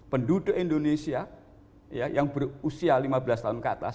penduduk indonesia yang berusia lima belas tahun ke atas